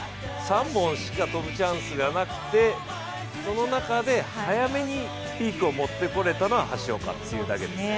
３本しか跳ぶチャンスがなくてその中で早めにピークをもってこれたのが橋岡というだけです。